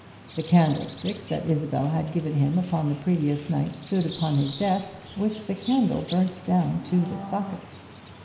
The candlestick that Isabel had given him upon the previous night stood upon his desk, with the candle burnt down to the socket.